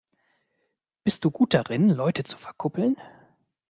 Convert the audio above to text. Bist du gut darin, Leute zu verkuppeln?